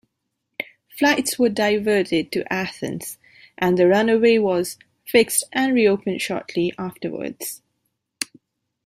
Flights were diverted to Athens and the runway was fixed and reopened shortly afterwards.